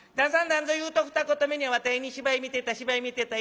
なんぞ言うとふた言目にわたいに『芝居見てた芝居見てた』